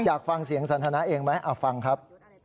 อยากฟังเสียงสันทนาเองไหมฟังครับ